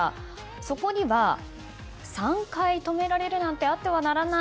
そこには、３回止められるなんてあってはならない。